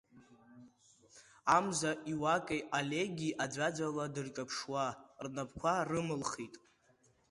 Амза, Иуакеи Олеги аӡәаӡәала дырҿаԥшуа, рнапқәа рымылхит.